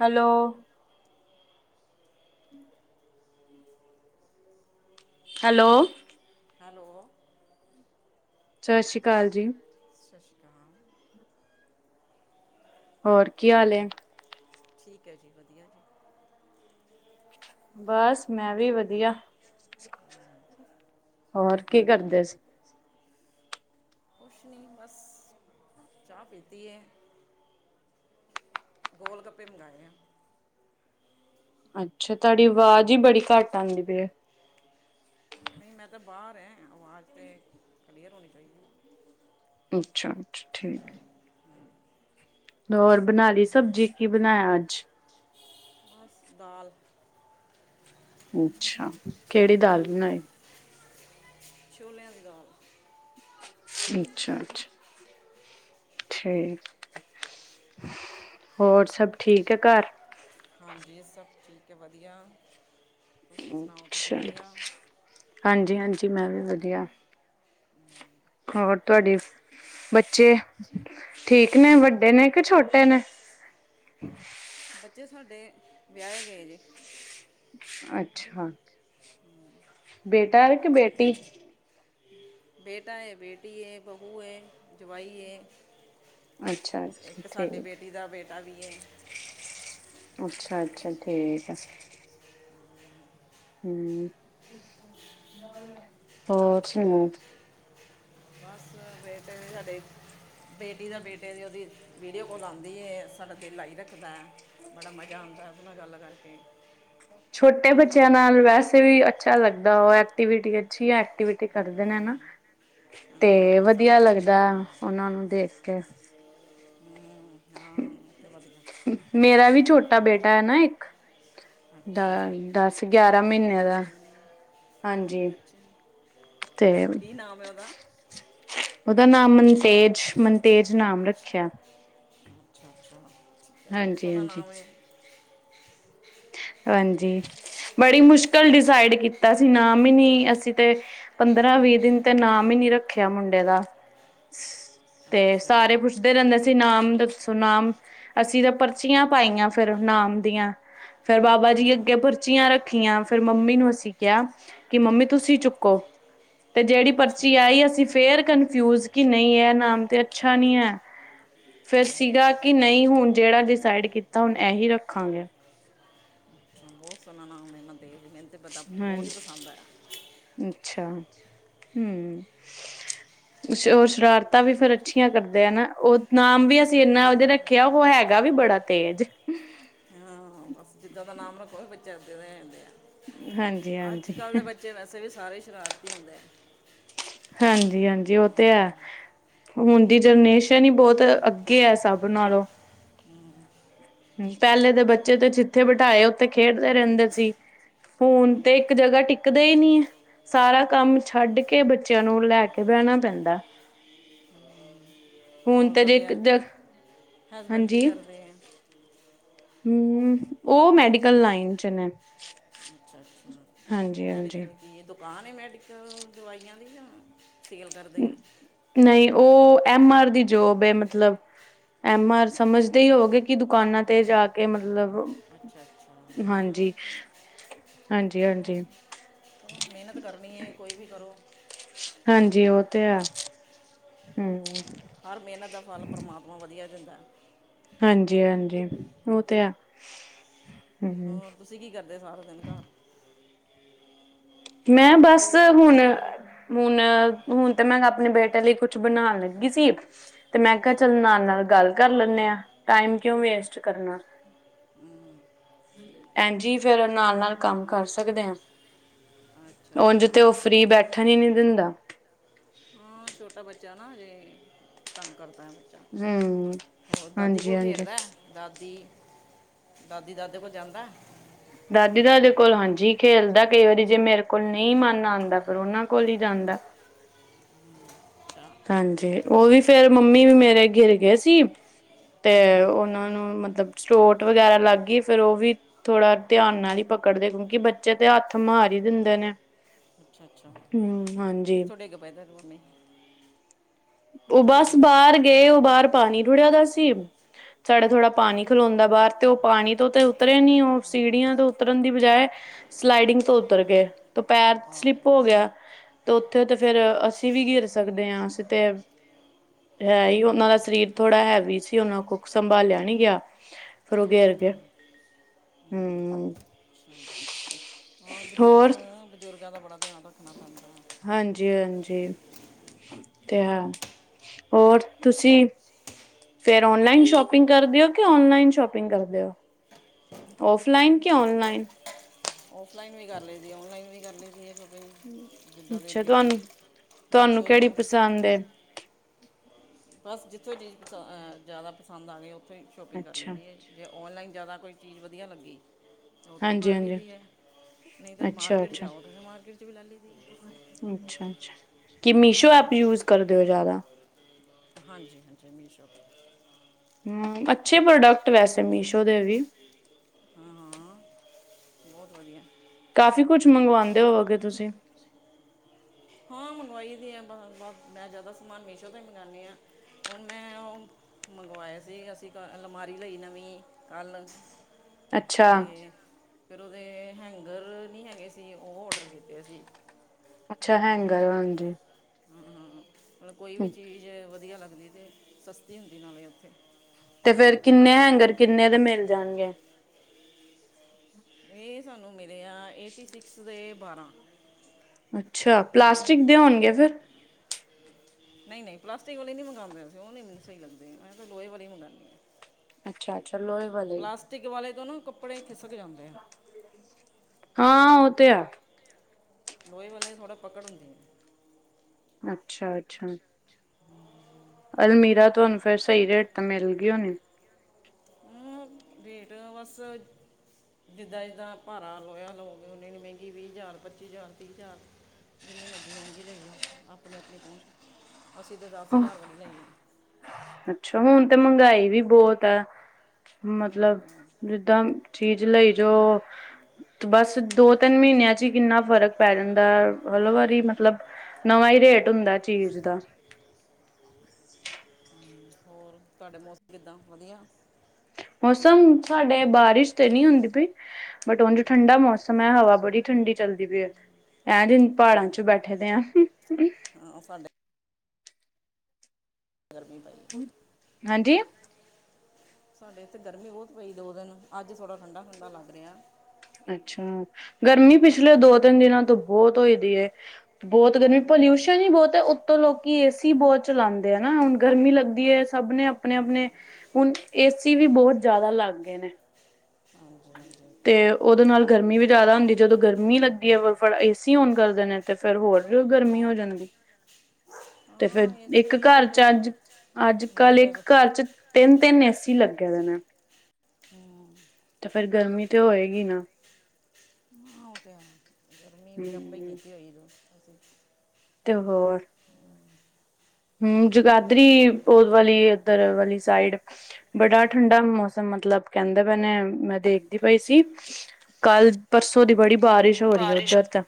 Hello. [inaudible] Hello. Hello. ਸਤਿ ਸ੍ਰੀ ਅਕਾਲ ਜੀ। ਸਤਿ ਸ਼੍ਰੀ ਅਕਾਲ। ਹੋਰ ਕੀ ਹਾਲ ਐ। ਠੀਕ ਏ ਜੀ ਵਧੀਆ। ਬਸ ਮੈਂ ਵੀ ਵਧੀਆ ਹੋਰ ਕੀ ਕਰਦੇਂ ਸੀ। ਕੁਛ ਨੀਂ ਬਸ ਚਾਹ ਪੀਤੀ ਐ। ਗੋਲ-ਗੱਪੇ ਮੰਗਾਏ ਆ। ਅੱਛਾ, ਤੁਹਾਡੀ ਆਵਾਜ਼ ਹੀ ਬੜੀ ਘੱਟ ਆਉਂਦੀ ਪਈ ਆ। ਨਹੀਂ ਮੈਂ ਤਾਂ ਬਾਹਰ ਐ ਅਵਾਜ਼ ਤੇ ਕਲੀਅਰ ਹੋਣੀ ਚਾਹੀਦੀ। ਅੱਛਾ, ਅੱਛਾ ਠੀਕ ਐ। ' [inaudible] ਹੋਰ ਬਣਾ ਲਈ ਸਬਜ਼ੀ, ਕੀ ਬਣਾਇਆ ਅੱਜ। ਬੱਸ ਦਾਲ। ਅੱਛਾ, ਕਿਹੜੀ ਦਾਲ ਬਣਾਈ। ਛੋਲਿਆਂ ਦੀ ਦਾਲ। ਅੱਛਾ-ਅੱਛਾ। ਠੀ, ਹੋਰ ਸਭ ਠੀਕ ਐ ਘਰ। ਹਾਂਜੀ ਸਭ ਠੀਕ ਐ ਵਧੀਆ, ਤੁਸੀਂ ਸੁਣਾਓ ਤੁਸੀਂ ਵਧੀਆ। ਹਾਂਜੀ-ਹਾਂਜੀ ਮੈਂ ਵੀ ਵਧੀਆ, ਹੋਰ ਤੁਹਾਡੀ ਬੱਚੇ, ਠੀਕ ਨੇ, ਵੱਡੇ ਨੇ ਕਿ ਛੋਟੇ ਨੇ? ਬੱਚੇ ਸਾਡੇ ਵਿਆਹੇ ਗਏ ਨੇ। ਅੱਛਾ। ਬੇਟਾ ਏ, ਕਿ ਬੇਟੀ? ਬੇਟਾ ਏ, ਬੇਟੀ ਏ, ਬਹੂ ਏ, ਜਵਾਈ ਏ। ਅੱਛਾ ਇੱਕ ਸਾਡੀ ਬੇਟੀ ਦਾ ਬੇਟਾ ਵੀ ਏ ਅੱਛਾ-ਅੱਛਾ ਠੀਕ ਐ ਹੁਅ, [inaudible] ਹੋਰ' ' [unintelligible] ਬੱਸ ਬੇਟਾ ਹੋ' ' [unintelligible] ਬੇਟੀ ਦਾ ਬੇਟੇ ਦੀ ਉਹਦੀ ਵੀਡੀਓ ਕੋਲ ਆਉਂਦੀ ਏ ਸਾਡਾ ਦਿਲ ਰੱਖਦਾ। ਬੜਾ ਮਜ਼ਾ ਆਂਦਾ ਉਹਦੇ ਨਾਲ ਗੱਲ ਕਰਕੇ ਛੋਟੇ ਬੱਚਿਆਂ ਨਾਲ ਵੈਸੇ ਵੀ ਅੱਛਾ ਲੱਗਦਾ ਉਹ ਐਕਟੀਵਿਟੀ ਅੱਛੀ ਐ, ਐਕਟੀਵਿਟੀ ਕਰਦੇ ਨੇ ਨਾ ਤੇ ਹਾਂ, ਸਾਡਾ ਵਧੀਆ ਲੱਗਦਾ ਉਹਨਾਂ ਨੂੰ ਦੇਖ ਕੇ ਹੁਅ ਮੇਰਾ ਵੀ ਛੋਟਾ ਬੇਟਾ ਏ ਨਾ ਇੱਕ ਦ ਅੱਛਾ ਦੱਸ, ਗਿਆਰਾਂ ਮਹੀਨੇ ਦਾ ਹਾਂਜੀ। ਅੱਛਾ ਤੇ ' [inaudible] ' ਕੀ ਨਾਮ ਹੈ ਉਹਦਾ ਉਹਦਾ ਨਾਂ ਮਨਤੇਜ-ਮਨਤੇਜ ਨਾਮ ਰੱਖਿਆ। ਅੱਛਾ-ਅੱਛਾ ਬਹੁਤ ਹਾਂਜੀ ਸੋਣਾ ਹਾਂਜੀ ਨਾਮ ਏ ਹਾਂਜੀ, ਬੜੀ ਮੁਸ਼ਕਿਲ ਡਿਸਾਈਡ ਕੀਤਾ ਸੀ ਨਾਮ ਹੀ ਨੀ ਅਸੀਂ ਤੇ ਪੰਦਰਾਂ-ਵੀਹ ਦਿਨ ਤੇ ਨਾਮ ਹੀ ਨਹੀਂ ਰੱਖਿਆ, ਮੁੰਡੇ ਦਾ ਤੇ ਅੱਛਾ ਸਾਰੇ ਪੁੱਛ ਧ ਰਹਿੰਦੇ ਸੀ, ਨਾਮ ਦੱਸੋ ਨਾਮ, ਅਸੀਂ ਤੇ ਪਰਚੀਆਂ ਪਾਈਆਂ ਫਿਰ ਨਾਮ ਦੀਆਂ ਫਿਰ ਬਾਬਾ ਅੱਛਾ ਜੀ ਅੱਗੇ ਪਰਚੀਆਂ ਰੱਖੀਆਂ, ਫਿਰ ਮੰਮੀ ਨੂੰ ਅਸੀਂ ਕਿਹਾ, ਕਿ ਮੰਮੀ ਤੁਸੀਂ ਚੁੱਕੋ। ਤੇ ਜਿਹੜੀ ਅੱਛਾ ਅੱਛਾ ਪਰਚੀ ਆਈ, ਅਸੀਂ ਫੇਰ ਕਨਫਿਊਜ ਕਿ ਨਹੀਂ ਇਹ ਨਾਮ ਤੇ ਅੱਛਾ ਨਹੀਂ ਐ ਫਿਰ ਸੀਗਾ ਕਿ ਨਹੀਂ ਹੁਣ ਜਿਹੜਾ ਡਿਸਾਈਡ ਕੀਤਾ ਹੁਣ ਇਹੀ ਰੱਖਾਂਗੇ। ਬਹੁਤ ਸੋਹਣਾ ਨਾਮ ਮਨਤੇਜ ਮੈਨੂੰ ਤੇ ਪਤਾ ਬਹੁਤ ਹੀ ਹਾਂਜੀ ਪਸੰਦ ਆਇਆ। ਅੱਛਾ ' [inaudible] ' ਹੁਅ ਸੋਰ-ਸ਼ਰਾਰਤਾਂ ਵੀ ਫਿਰ ਅੱਛੀਆਂ ਕਰਦੇ ਆ ਨਾ, ਉਹ ਨਾਮ ਵੀ ਅਸੀਂ ਇੰਨਾ ਵਧੀਆ ਰੱਖਿਆ, ਉਹ ਹੈਗਾ ਵੀ ਬੜਾ ਤੇਜ ਹਾਂ, ਬੱਸ ਜਿੱਦਾਂ ਦਾ ਨਾਮ ਰੱਖੋ, ਬੱਚੇ ਇਦੇ ਦੇ ਰਹਿੰਦੇ ਹਾਂਜੀ ਆ ਹਾਂਜੀ ਅੱਜ-ਕੱਲ ਦੇ ਬੱਚੇ ਬੱਚੇ ਵੈਸੇ ਵੀ ਸਾਰੇ ਸ਼ਰਾਰਤੀ ਹੁੰਦੇ ਐ ਹਾਂਜੀ-ਹਾਂਜੀ ਉਹ ਤੇ ਐ ਹੁਣ ਦੀ ਜਨਰੇਸ਼ਨ ਹੀ ਬਹੁਤ ਅੱਗੇ ਐ ਸਭ ਨਾਲੋਂ ਹਮ ਪਹਿਲੇ ਦੇ ਬੱਚੇ ਤੇ ਜਿੱਥੇ ਬਿਠਾਏ ਉੱਥੇ ਖੇਡਦੇ ਰਹਿੰਦੇ ਸੀ। ਹੁਣ ਤੇ ਇੱਕ ਜਗ੍ਹਾ ਟਿਕਦੇ ਹੀ ਨੀ ਸਾਰਾ ਕੰਮ ਛੱਡ ਕੇ ਬੱਚੇ ਬੱਚਿਆਂ ਨੂੰ ਲੈ ਕੇ ਬਹਿਣਾ ਪੈਂਦਾ। ਹੁਣ ਹੋਰ ਤੇ ਜੇ ਤੁਹਾਡੇ, ਜ ਹਸਬੈਂਡ ਕੀ ਕਰਦੇ ਐ ਹੁਅ, ਉਹ ਮੈਡੀਕਲ ਲਾਈਨ 'ਚ' ਨੇਂ ਅੱਛਾ-ਅੱਛਾ ਮੈਡੀਕਲ ਕੀ ਐ ਤੋ ਬਾਹਰ ਮੈਡੀਕਲ ਦਵਾਈਆਂ ਦੀ ਜਾਂ ਸੇਲ ਕਰਦੇ ਆ ਨਹੀਂ ਉਹ ਐਮ, ਆਰ ਦੀ ਜੋਬ ਏ ਮਤਲਬ ਐਮ, ਆਰ ਸਮਝਦੇ ਹੋਗੇ ਕਿ ਦੁਕਾਨਾਂ ਤੇ ਜਾ ਕੇ ਮਤਲਬ ਓ, ਅੱਛਾ ਅੱਛਾ ਹਾਂ ਹਾਂਜੀ, ਹਾਂ। ਹਾਂਜੀ-ਹਾਜੀ। ਚਲੋ ਮਿਹਨਤ ਕਰਨੀ ਏ, ਕੋਈ ਵੀ ਕਰੋ। ਹਾਂਜੀ, ਉਹ ਤੇ ਐ, ਹੁਅ ਹਰ ਮਿਹਨਤ ਦਾ ਫਲ ਪਰਮਾਤਮਾ ਵਧੀਆ ਦਿੰਦਾ ਹਾਂਜੀ-ਹਾਂਜੀ ਉਹ ਤੇ ਐ ਹੋਰ ਤੁਸੀਂ ਕੀ ਕਰਦੇ ਸਾਰਾ ਦਿਨ ਘਰ?' ' [inaudible] ਮੈਂ ਬੱਸ ਹੁਣ। ਹੁਣ-ਹੁਣ ਤੇ ਮੈਂ ਆਪਣੇ ਬੇਟੇ ਲਈ ਕੁਛ ਬਣਾਨ ਲੱਗੀ ਸੀ। ਤੇ ਮੈਂ ਕਿਹਾ ਅੱਛਾ ਚੱਲ ਨਾਲ-ਨਾਲ ਗੱਲ ਕਰ ਲੈਂਣੇ ਆ। ਟਾਈਮ ਕਿਉਂ ਵੇਸਟ ਕਰਨਾ। ਠੀਕ ਹੈ ਭੈਣਜੀ ਫਿਰ ਨਾਲ-ਨਾਲ ਕੰਮ ਕਰ ਸਕਦੇ ਆ। ਅੱਛਾ। ਉੰਝ ਅੱਛਾ ਤੇ ਉਹ ਫ੍ਰੀ ਬੈਠਣ ਹੀ ਨੀ ਦਿੰਦਾ। ਹਾਂ, ਛੋਟਾ ਬੱਚਾ ਨਾ ਹਜੇ, ਤੰਗ ਕਰਦਾ। ਹਮ ਹੋਰ ਦਾਦੀ ਹਾਂਜੀ ਕੋਲ ਹਾਂਜੀ ਖੇਡਦਾ। ਦਾਦੀ, ਦਾਦੀ-ਦਾਦੇ ਕੋਲ ਜਾਂਦਾ? ਦਾਦੀ-ਦਾਦੇ ਕੋਲ ਹਾਂਜੀ ਖੇਲਦਾ। ਕਈ ਵਾਰੀ ਜੇ ਮੇਰੇ ਕੋਲ ਨਹੀਂ ਮਨ ਆਦਾ। ਫਿਰ ਉਹਨਾਂ ਕੋਲ ਹੀ ਜਾਂਦਾ। ਅੱਛਾ। ਹਾਂਜੀ, ਉਹ ਵੀ ਫੇਰ ਮੰਮੀ ਵੀ ਮੇਰੇ ਘਿਰ ਗਏ ਸੀ। ਤੇ ਉਹਨਾਂ ਨੂੰ ਮਤਲਬ ਸੋਟ ਵਗੈਰਾ ਲੱਗ ਗਈ ਫਿਰ ਉਹ ਵੀ ਥੋੜ੍ਹਾ ਧਿਆਨ ਨਾਲ ਹੀ ਪਕੜਦੇ। ਕਿਉਕਿ ਬੱਚੇ ਤੇ ਹੱਥ ਮਾਰ ਹੀ ਦਿੰਦੇ ਨੇ। ਹਮ ਹਾਂਜੀ ਕਿੱਥੋ ਡਿੱਗ ਪਾਏ ਤੁਹਾਡੇ ਮੰਮੀ? ਉਹ ਕਿੱਥੋਂ ਬੱਸ ਡਿੱਗ ਪਏ ਸੀ ਬਾਹਰ ਗਏ। ਉਹ ਬਾਹਰ ਪਾਣੀ ਰੁੜਿਆ ਦਾ ਸੀ। ਸਾਡਾ ਥੋੜ੍ਹਾ ਪਾਣੀ ਖਲੋਦਾ ਬਾਹਰ ਤੇ ਉਹ ਪਾਣੀ ਤੋਂ ਤਾਂ ਉਤਰੇ ਨੀ ਉਹ ਸੀੜੀਆਂ ਤੋਂ ਉਤਰਨ ਦੀ ਬਜਾਏ ਸਲਾਈਡਿੰਗ ਤੋਂ ਉੱਤਰ ਗਏ। ਤੇ ਪੈਰ ਆ ਸਲਿੱਪ ਹੋ ਗਿਆ ਤੇ ਉੱਥੇ ਤੇ ਫਿਰ ਅੱਛਾ ਅਸੀਂ ਵੀ ਗਿਰ ਸਕਦੇ ਹਾਂ, ਅਸੀਂ ਤੇ ਹੈ ਹੀ ਉਹਨਾਂ ਦਾ ਸਰੀਰ ਥੋੜ੍ਹਾ ਹੈਵੀ ਸੀ, ਉਹਨਾਂ ਕੁੱਖ ਸੰਭਾਲਿਆ ਨੀ ਗਿਆ। ਅੱਛਾ। ਹਮ। ਹੋਰ ਬਜ਼ੁਰਗ ਹੇ ਬਜ਼ੁਰਗਾਂ ਦਾ ਬੜਾ ਧਿਆਨ ਰੱਖਣਾ ਪੈਂਦਾ। ਹਾਂਜੀ-ਹਾਂਜੀ। ਤੇ ਹਾਂ, ਹੋਰ ਤੁਸੀਂ। ਫਿਰ ਔਨਲਾਈਨ ਸ਼ੋਪਿੰਗ ਕਰਦੇ ਓ ਕਿ, ਔਨਲਾਈਨ ਸ਼ੋਪਿੰਗ ਕਰਦੇ ਹੋ? ਔਫਲਾਈਨ ਕਿ ਔਨਲਾਈਨ? ਔਫਲਾਈਨ ਵੀ ਕਰ ਲਾਈਦੀ ਆ। ਔਨਲਾਈਨ ਵੀ ਕਰ ਲਾਈ ਦੀ ਆ। ਜਿੱਦਾਂ ਦਿਲ ਅੱਛਾ ਕੀਤਾ ਮੀਸ਼ੋ ਤੋਂ। ਐਦੇ। ਬਸ ਜਿੱਥੋਂ ਚੀਜ਼ ਪਸ ਜ਼ਿਆਦਾ ਪਸੰਦ ਆ ਗਈ, ਉੱਥੇ ਹੀ ਸ਼ੋਪਿੰਗ ਕਰ ਲਾਈ ਅੱਛਾ, ਦੀ ਆ। ਜੇ ਔਨਲਾਈਨ ਜ਼ਿਆਦਾ ਕੋਈ ਚੀਜ਼ ਵਧੀਆ ਲੱਗੀ। ਉੱਥੋਂ ਕਰ ਹਾਂਜੀ-ਹਾਂਜੀ, ਲਈਦੀ ਏ। ਨਹੀਂ ਤਾਂ ਮਾਰਕੀਟ ਅੱਛਾ-ਅੱਛਾ, ਜਾਵਾ ਮਾਰਕੀਟ 'ਚ ਵੀ ਲੈ ਲਈਦੀ। ਅੱਛਾ ਅੱਛਾ। ਕੀ ਮੀਸ਼ੋ ਐਪ ਯੂਜ ਕਰਦੇ ਹੋ ਜ਼ਿਆਦਾ? ਹਾਂਜੀ ਹਾਂਜੀ। ਮੀਸ਼ੋ ਤੋਂ। ਹਮ, ਅੱਛੇ ਪ੍ਰੋਡਕਟ? ਵੈਸੇ ਮੀਸ਼ੋ ਦੇ ਵੀ। ਹਾਂ ਹਾਂ। ਬਹੁਤ ਵਧੀਆ। ਕਾਫੀ ਕੁਛ ਮੰਗਵਾਦੇ ਹੋਵੋਗੇ ਤੁਸੀ? ਹਾਂ ਮੰਗਵਾਈ ਦੀ ਆ ਬ ਬ ਮੈਂ ਜ਼ਿਆਦਾ ਸਮਾਨ ਮੀਸ਼ੋ ਤੋਂ ਹੀ ਮੰਗਵਣੀ ਆ। ਹੁਣ ਮੈਂ ਉਹ ਮੰਗਵਾਏ ਸੀ ਅਸੀਂ ਕ ਅਲਮਾਰੀ ਲਈ ਨਵੀਂ ਕੱਲ੍ਹ। ਅੱਛਾ, ਤੇ ਫਿਰ ਉਹਦੇ ਹੈਗਰ ਨੀ ਹੈਗੇ ਸੀ। ਉਹ ਓਡਰ ਕੀਤੇ ਸੀ। ਅੱਛਾ। ਹੈਗਰ ਹਾਂਜੀ। ਹਮ ਹਮ ਮਤਲਬ ਕੋਈ ਵੀ ਹਮ, ਚੀਜ਼ ਵਧੀਆ ਲੱਗਦੀ ਤੇ ਸਸਤੀ ਹੁੰਦੀ ਨਾਲੇ ਉੱਥੇ। ਤੇ ਫਿਰ ਕਿੰਨੇ ਹੈਂਗਰ ਕਿੰਨੇ ਦੇ ਮਿਲ ਜਾਣਗੇ? ਇਹ ਸਾਨੂੰ ਮਿਲੇ ਆ ਏਟੀ ਸਿਕਸ ਦੇ ਬਾਰਾਂ। ਅੱਛਾ, ਪਲਾਸਟਿਕ ਦੇ ਹੋਣਗੇ ਫਿਰ। ਨਹੀਂ- ਨਹੀਂ ਪਲਾਸਟਿਕ ਵਾਲੀ ਨਹੀ ਮੰਗਵਾਂਦੇ। ਉਹ ਉਹ ਨੀ ਮੈਨੂੰ ਸਹੀ ਲੱਗਦੀ ਮੈਂ ਤੇ ਲੋਹੇ ਵਾਲੀ ਮੰਗਣੀ ਆ। ਅੱਛਾ-ਅੱਛਾ। ਲੋਹੇ ਵਾਲੇ। ਹੀ। ਪਲਾਸਟਿਕ ਵਾਲੇ ਤੋਂ ਨਾ ਕੱਪੜੇ ਹੀ ਖਿਸਕ ਜਾਂਦੇ ਆ। ਹਾਂ, ਉਹ ਤੇ ਏ। ਲੋੋਹੇ ਵਾਲੇ ਦੀ ਥੋੜ੍ਹਾ ਪਕੜ ਹੁੰਦੀ ਆ। ਅੱਛਾ-ਅੱਛਾ। ਅਲਮੀਰਾ ਤੁਹਾਨੂੰ ਫਿਰ ਸਹੀ ਰੇਟ ਤੇ ਮਿਲ ਗਈ ਹੋਣੀ। ਹਾਂ ਰੇਟ ਤਾਂ ਬਸ‌ ਜਿੱਦਾਂ- ਜਿੱਦਾਂ ਭਾਰਾ ਹੋਇਆ ਲੋਹਾ ਲਾਵੋ। ਉਹਨੇ ਨੇ ਮਹਿੰਗੀ ਵੀਹ ਹਜ਼ਾਰ, ਪੱਚੀ ਹਜ਼ਾਰ, ਤੀਹ ਹਜ਼ਾਰ। ਜਿੰਨੀ ਮਰਜ਼ੀ ਮਹਿੰਗੀ ਲਈ ਆ ਆਪਣੀ-ਆਪਣੀ ਪਹੁੰਚ ਅਸੀਂ ਤਾਂ ਦਸ ਹਜ਼ਾਰ ਵਾਲੀ ਲਈ ਏ। ਅੱਛਾ, ਹੁਣ ਤੇ ਮਹਿੰਗਾਈ ਵੀ ਬਹੁਤ ਏ। ਮਤਲਬ ਹਮ, ਜਿੱਦਾਂ ਚੀਜ਼ ਲਈ ਜਾਓ। ਬਸ ਦੋ, ਤਿੰਨ ਮਹੀਨਿਆਂ ਹੀ ਕਿੰਨਾ ਫ਼ਰਕ ਪੈ ਜਾਂਦਾ ਹਰ ਵਾਰੀ ਮਤਲਬ ਨਵਾਂ ਹੀ ਰੇਟ ਹੁੰਦਾ ਚੀਜ਼ ਦਾ। ਹੋਰ ਤੁਹਾਡੇ ਮੌਸਮ ਕਿੱਦਾਂ ਵਧੀਆ। ਮੌਸਮ ਸਾਡੇ ਬਾਰਿਸ਼ ਤੇ ਨਹੀਂ ਹੁੰਦੀ ਪਈ ਬਟ ਉਝ ਠੰਡਾ ਮੌਸਮ। ਇਸ ਸਮੇ ਹਵਾ ਬੜੀ ਠੰਡੀ ਚੱਲਦੀ ਪਈ ਏ। ਐਂ ਜਿਵੇ ਪਹਾੜਾਂ ਚ ਬੈਠੇ ਦੇ ਆ। ਆਹ ਸਾਡੇ ਗਰਮੀ‌ ਪਈ। ਹੈ ਹਾਂਜੀ। ਸਾਡੇ ਇੱਥੇ ਗਰਮੀ ਬਹੁਤ ਪਈ ਐ ਦੋ ਦਿਨ। ਅੱਜ ਥੋੜਾ ਠੰਡਾ-ਠੰਡਾ ਲੱਗ ਰਿਹਾ। ਅੱਛਾ, ਗਰਮੀ ਪਿਛਲੇ ਦੋ, ਤਿੰਨ ਦਿਨਾਂ ਤੋਂ ਬਹੁਤ ਹੋ ਦੀ ਐ। ਬਹੁਤ ਗਰਮੀ ਪੋਲਿਊਸ਼ਨ ਹੀ ਬਹੁਤ ਏ, ਉੱਤੋਂ ਲੋਕੀ ਏ ਸੀ ਬਹੁਤ ਚਲਾਉਂਦੇ ਆ ਨਾ ਹੁਣ ਗਰਮੀ ਲੱਗਦੀ ਏ। ਸਭ ਨੇ ਆਪਣੇ-ਆਪਣੇ ਹੁਣ ਏ ਸੀ ਵੀ ਬਹੁਤ ਜ਼ਿਆਦਾ ਲੱਗ ਗਏ ਨੇ। [unintelligible] ਤੇ ਉਹਦੇ ਨਾਲ ਗਰਮੀ ਵੀ ਜ਼ਿਆਦਾ ਹੁੰਦੀ ਹੈ ਜਦੋਂ ਗਰਮੀ ਲੱਗਦੀ ਹੈ ਫਟਾ- ਫਟ ਏ ਸੀ ਔਨ ਕਰ ਦਿੰਨੇ ਐ ਤੇ ਫਿਰ ਹੋਰ ਵੀ ਗਰਮੀ ਹੋ ਜਾਂਦੀ ਤੇ ਫਿਰ ਹਾਂ ਏਸੀ ਇੱਕ ਵੀ ਘਰ ਫਿਰ ਚ ਅੱਜ, ਅੱਜ- ਕੱਲ੍ਹ ਇੱਕ ਮੀਟਰ ਘਰ ਚ ਤਿੰਨ -ਤਿੰਨ ਏ ਸੀ ਲੱਗੇ ਨੇ ਮੈਮ। ਹੂੰ। ਤੇ ਫੇਰ ਗਰਮੀ ਤੇ ਹੋਏਗੀ ਨਾ। ਹਾਂ ਉਹ ਤੇ ਹੈ ਗਰਮੀ ਵੀ ਆਪਾ ਹੀ ਹਮ ਕੀਤੀ ਹੋਈ ਹੈ। [unintelligible] ਤੇ ਹੋਰ। ਹੂੰ ਹੋਰ ਜਗਾਧਰੀ [unintelligible] ਵਾਲੀ ਇੱਧਰ ਵਾਲੀ ਸਾਈਡ ਬੜਾ ਠੰਡਾ ਮੌਸਮ ਮਤਲਬ ਕਹਿੰਦੇ ਪਏ ਨੇ ਮੈਂ ਦੇਖਦੀ ਪਈ ਸੀ ਕੱਲ੍ਹ, ਪਰਸੋਂ ਦੀ ਬੜੀ ਬਾਰਿਸ਼ ਹੋ ਰਹੀ ਹੈ ਬਾਰਿਸ਼ ਉੱਧਰ ਤਾਂ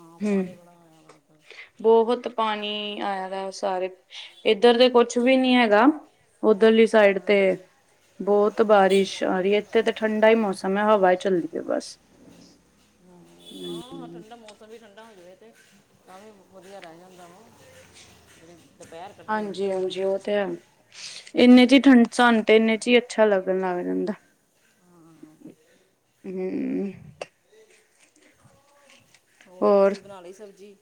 ਹਾਂ ਪਾਣੀ ਬੜਾ ਹੋਇਆ ਲੱਗਦਾ ਦੋ ਫੁੱਟ ਪਾਣੀ ਆਇਆ ਵਾ ਸਾਰੇ ਇੱਧਰ ਤੇ ਕੁਛ ਵੀ ਨੀ ਹੈਗਾ ਉੱਧਰਲੀ ਸਾਈਡ ਹਾਂ ਤੇ ਬਹੁਤ ਬਾਰਿਸ਼ ਆ ਰਹੀ ਹੈ ਇੱਥੇ ਤਾਂ ਠੰਡਾ ਹੀ ਮੌਸਮ ਹੈ ਹਵਾ ਚੱਲਦੀ ਹੈ ਬਸ [unintelligible] ਹਾਂ- ਹਾਂ ਆਪਣੇ ਤਾ ਮੌਸਮ ਵੀ ਠੰਡਾ ਹੋ ਜਾਵੇਗਾ ਤੇ ਤਾਂ ਵੀ ਵਧੀਆ ਰਹਿ ਜਾਂਦਾ ਵਾ ਜਿਹੜੀ ਦੁਪਹਿਰ [inaudible] ਕੱਟਣੀ ਔਖੀ ਹਾਂਜੀ ਹੁੰਦੀ -ਹਾਂਜੀ ਉਹ ਤੇ ਤੇ ਇੰਨੇ ਚ ਹੀ ਠੰਡ ਸਾਨੂੰ ਤੇ ਇੰਨੇ ਚ ਹੀ ਅੱਛਾ ਲੱਗਣ ਲੱਗ ਜਾਂਦਾ ਹਾਂ। [unintelligible] ਹੂ ਹੋਰ ਤੁਸੀਂ ਬਣਾ ਲਈ ਸਬਜ਼ੀ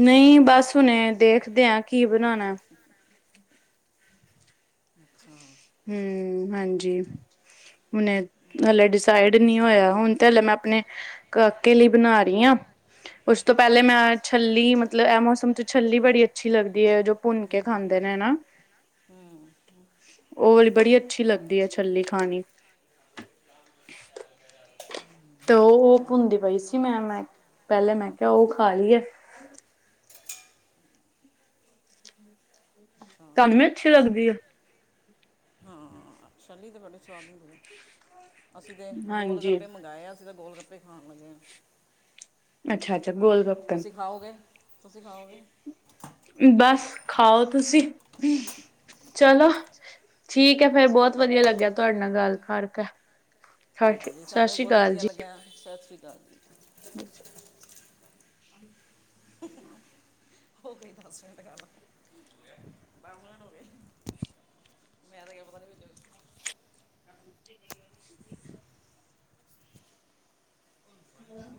ਨਹੀਂ ਬਸ ਹੁਣੇ ਦੇਖਦੇ ਹਾਂ ਕੀ ਬਣਾਣਾ ਅੱਛਾ। ਹਮ, ਹਾਂਜੀ। ਹੁਣੇ ਹਾਲੇ ਡਿਸਾਈਡ ਨੀ ਹੋਇਆ ਹੁਣ ਤੇ ਹਲੇ ਮੈਂ ਆਪਣੇ ਕਾਕੇ ਲੲੀ ਬਣਾ ਰਹੀ ਆ। ਉਸ ਤੋਂ ਪਹਿਲੇ ਮੈਂ ਛੱਲੀ ਮਤਲਬ ਇਹ ਮੌਸਮ ਚ ਛੱਲੀ ਬੜੀ ਅੱਛੀ ਲੱਗਦੀ ਹੈ ਜੋ ਭੁੰਨ ਕੇ ਖਾਂਦੇ ਨੇ ਨਾ। ਹਮ। ਉਹ ਵਾਲੀ ਬੜੀ ਅੱਛੀ ਲੱਗਦੀ ਹੈ। ਛੱਲੀ ਖਾਣੀ [unintelligible] ਤੇ ਉਹ-ਉਹ ਅੱਛਾ ਭੁੰਨਦੀ ਪਈ ਸੀ। ਮੈਂ-ਮੈਂ ਪਹਿਲੇ ਮੈਂ ਕਿਹਾ ਉਹ ਖਾ ਲਈ ਏ। [unintelligible] ਅੱਛਾ ਤੁਹਾਨੂੰ ਵੀ ਅੱਛੀ ਅਸ ਲੱਗਦੀ ਆ। ਛੱਲੀ ਤੇ ਬੜੀ ਸਵਾਦ ਹੁੰਦੀ ਆ ਅਸੀਂ ਤੇ ਹਾਂਜੀ ਗੋਲ-ਗੱਪੇ ਮੰਗਵਾਏ ਅਸੀਂ ਤਾਂ ਗੋਲ-ਗੱਪੇ [unintelligible] ਅੱਛਾ-ਅੱਛਾ, ਗੋਲ-ਗੱਪੇ ਤੁਸੀਂ ਖਾਓਗੇ- ਤੁਸੀਂ ਖਾਓਗੇ। ਬੱਸ ਖਾਓ ਤੁਸੀਂ। ਚਲੋ ਠੀਕ ਹੈ, ਫਿਰ ਬਹੁਤ ਵਧੀਆ ਲੱਗਿਆ ਤੁਹਾਡੇ ਨਾਲ ਗੱਲ ਕਰਕੇ ਠੀਕ ਹੈ ਜੀ ਸਤਿ ਸਾਨੂੰ ਵੀ ਸ੍ਰੀ ਬਹੁਤ ਅਕਾਲ ਜੀ। ਵਧੀਆ ਲੱਗਿਆ। ਸਤਿ ਸ਼੍ਰੀ ਅਕਾਲ ਜੀ [unintelligible] [inaudible] ਹੋ ਗਈ ਦੱਸ ਮਿੰਟ ਗੱਲ, ਦੱਸ ਮਿੰਟ ਹੋ ਗਏ। ਮੈਂ ਤਾਂ ਕਿ [unintelligible] [unintelligible] ਹਮ।